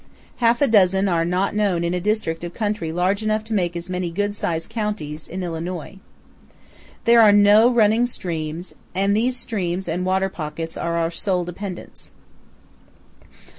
Half a dozen are not known in a district of country large enough to make as many good sized counties in Illinois. There are no running streams, and these springs and water pockets are our sole dependence.